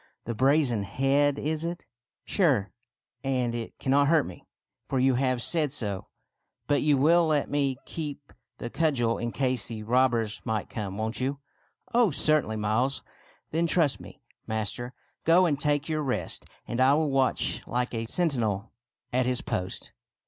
" The brazen head, is it ? Sure, and it cannot hurt me, for you have said so. But you will let me ■j6 THIRTY MORE FAMOUS STORIES keep the cudgel, in case the robbers' might come, won't you ?"" Oh, certainly. Miles." " Then trust me, master. Go and take your rest, and I will watch like a sentinel at his post."